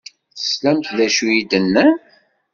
Teslamt d acu i d-nnan?